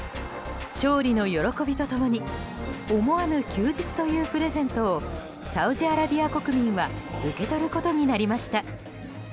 勝利の喜びと共に思わぬ休日というプレゼントをサウジアラビア国民は受け取ることになりました。